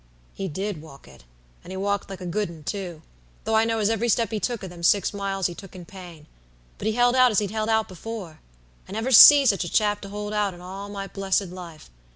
"He did walk it; and he walked like a good 'un, too; though I know as every step he took o' them six miles he took in pain; but he held out as he'd held out before; I never see such a chap to hold out in all my blessed life.